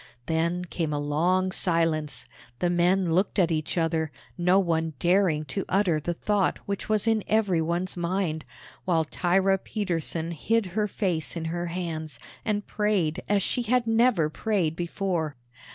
Then came a long silence. The men looked at each other, no one daring to utter the thought which was in every one's mind, while Thyra Petersen hid her face in her hands, and prayed as she had never prayed before.